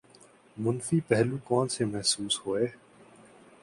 ، منفی پہلو کون سے محسوس ہوئے؟